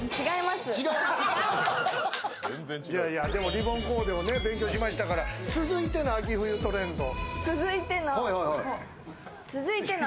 リボンコーデも勉強しましたから続いての秋冬トレンドを！